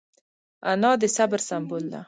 انا د صبر سمبول ده